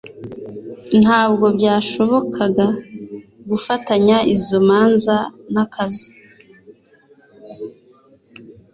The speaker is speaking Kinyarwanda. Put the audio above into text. ntabwo byashobokaga gufatanya izo manza n'akazi